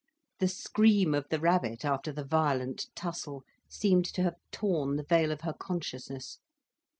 The scream of the rabbit, after the violent tussle, seemed to have torn the veil of her consciousness.